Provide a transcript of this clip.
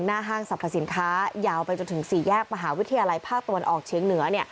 ห้างสรรพสินค้ายาวไปจนถึง๔แยกมหาวิทยาลัยภาคตะวันออกเชียงเหนือ